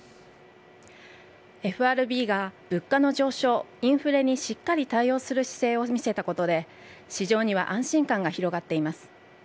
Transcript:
ＦＲＢが物価の上昇インフレにしっかり対応する姿勢を見せたことで市場には安心感が広がっています。